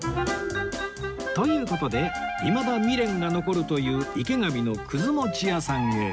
という事でいまだ未練が残るという池上のくず餅屋さんへ